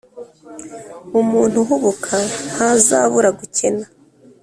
umuntu uhubuka ntazabura gukena